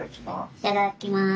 いただきます。